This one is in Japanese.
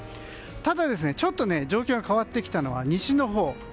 ただ、ちょっと状況が変わってきたのは西のほう。